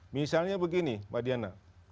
misalnya begini mbak diana